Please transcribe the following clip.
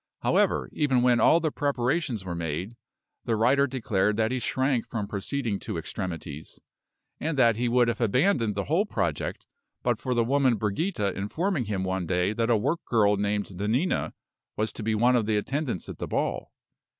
However, even when all the preparations were made, the writer declared that he shrank from proceeding to extremities; and that he would have abandoned the whole project but for the woman Brigida informing him one day that a work girl named Nanina was to be one of the attendants at the ball.